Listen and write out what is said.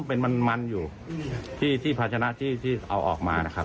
เป็นมันอยู่ที่ภาชนะที่เอาออกมานะครับ